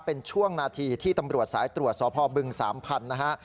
เป็นช่วงนาทีที่ตำรวจสายตรวจสพบึงสามพันธุ์นะฮะ